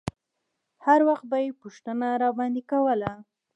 هر وخت به يې پوښتنه راباندې کوله.